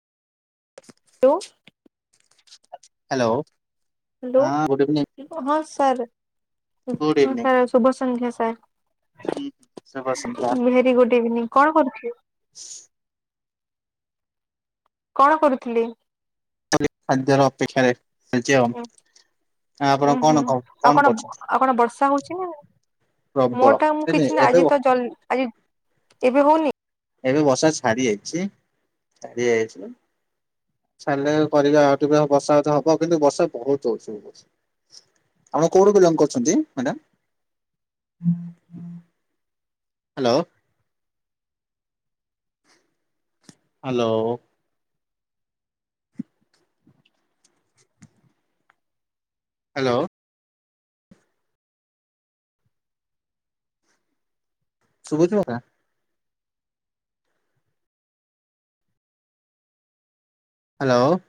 ଖୁ ଲୋ hello hello. ହଁ ଗୁଡ୍ ଇଭିନିଂ ହଁ ସାର୍। ଗୁଡ୍ ହଁ ଇଭିନିଂ ସାର୍। ଶୁଭ ସଂନ୍ଧ୍ୟା ହୁଁ। ଶୁଭ ସନ୍ଧ୍ୟା ସାର୍। Very good evening. କଣ କରୁଚୁ? ହଁ କଣ କରୁଥିଲେ? [unintelligible] ଖାଦ୍ୟର ଅପେକ୍ଷା ରହିଛି ଆଉ ଆଉ ଆପଣ ଉୁଁ କଣ ହୁଁ କ- ଆଉ କଣ କରୁଛନ୍ତି? ଆଉ କଣ ବର୍ଷା ହଉଛି ନା ପ୍ରବଳ ମୋର୍ ଟା ମୁଁ ନାଇଁ, ନାଇଁ, କିଛି ନାହି ଏବେ ଆଜି ବ- ତ ଜଲ ଆଜି ଏବେ ହଉନି? ଏବେ ବଷା ଛାଡ଼ିି ଯାଇଛି। ଛାଡ଼ି ଯାଇଚି। ଛାଡ଼ିଲେ କରିବା ଆଉ ଟିକେ ବର୍ଷା ଯଦି ହବ କିନ୍ତୁ ବର୍ଷା ବହୁତ ହଉଛି ଏ ବର୍ଷ। ଆପଣ କୋଉଠୁ ବିଲଙ୍ଗ କରୁଛନ୍ତି ମ୍ୟାଡ଼ାମ୍? ହାଲୋ। ହାଲୋ। ହାଲୋ। ଶୁଭୁଛି ମୋ କଥା? ହାଲୋ।